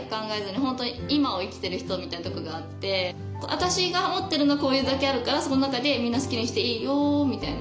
私が持ってるのはこれだけあるからその中でみんな好きにしていいよみたいな。